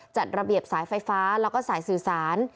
จัดระเบียบสายไฟฟ้าแล้วก็สายสื่อสาร